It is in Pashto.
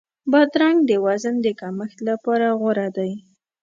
بادرنګ د وزن د کمښت لپاره غوره دی.